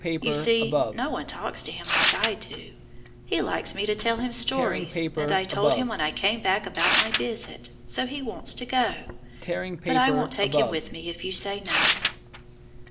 You see, no one talks to him like I do. He likes me to tell him stories, and I told him when I came back about my visit, so he wants to go. But I won't take him with me if you say no."